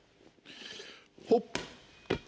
ほっ！